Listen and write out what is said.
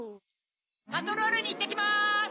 パトロールにいってきます！